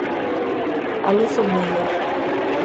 A luz do mundo.